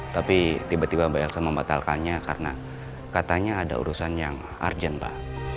tapi tiba tiba mbak elsa membatalkannya karena katanya ada urusan yang urgent pak